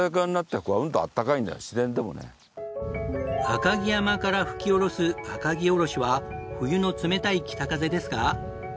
赤城山から吹き下ろす赤城おろしは冬の冷たい北風ですが。